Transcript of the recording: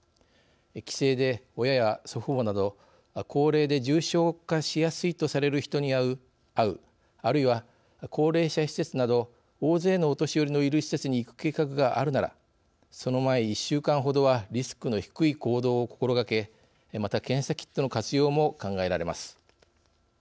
帰省で、親や祖父母など高齢で重症化しやすいとされる人に会うあるいは、高齢者施設など大勢のお年寄りのいる施設に行く計画があるならその前１週間ほどはリスクの低い行動を心がけまた、検査キットの活用も考えられます。